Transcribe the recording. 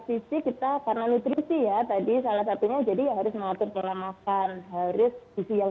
sisi kita karena nutrisi ya tadi salah satunya jadi harus mengatur pola makan harus sisi yang